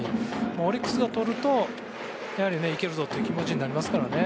オリックスが取るとやはりいけるぞという気持ちになりますからね。